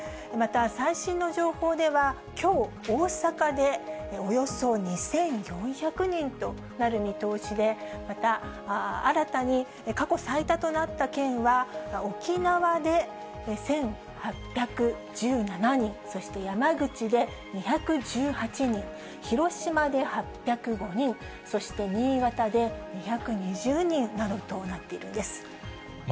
また、最新の情報では、きょう大阪でおよそ２４００人となる見通しで、また、新たに過去最多となった県は、沖縄で１８１７人、そして山口で２１８人、広島で８０５人、そして新潟で２２０人などとなっているんです。